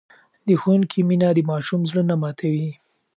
د ښوونکي مینه د ماشوم زړه نه ماتوي.